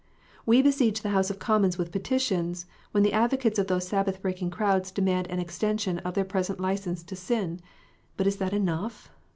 We besiege the House of Commons with petitions when the advocates of these Sabbath breaking crowds demand an exten sion of their present licence to sin. But is that enough